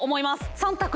３択。